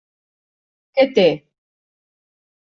Què té?